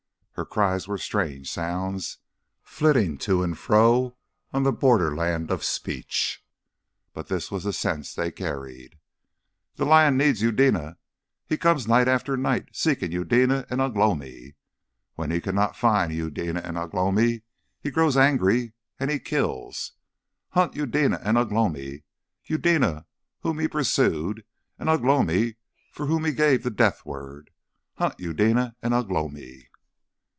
Her cries were strange sounds, flitting to and fro on the borderland of speech, but this was the sense they carried: "The lion needs Eudena. He comes night after night seeking Eudena and Ugh lomi. When he cannot find Eudena and Ugh lomi, he grows angry and he kills. Hunt Eudena and Ugh lomi, Eudena whom he pursued, and Ugh lomi for whom he gave the death word! Hunt Eudena and Ugh lomi!"